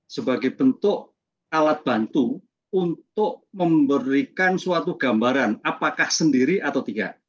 sebagai bentuk alat bantu untuk memberikan suatu gambaran apakah sendiri atau tidak